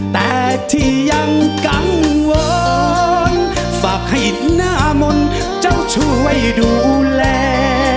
แต่ที่ยังกังวอนฝากให้หน้ามนต์เจ้าช่วยดูแล